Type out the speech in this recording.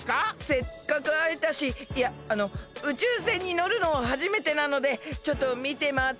せっかくあえたしいやあの宇宙船にのるのはじめてなのでちょっとみてまわっていいですか？